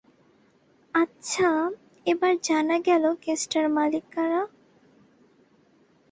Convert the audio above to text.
আচ্ছা, এবার জানা গেল কেসটার মালিক কারা।